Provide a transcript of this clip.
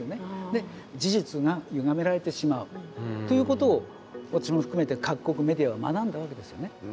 で事実がゆがめられてしまうということを私も含めて各国メディアは学んだわけですよね。